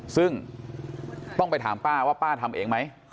ซึ่งต้องไปถามป้าว่าป้าทำเองไหม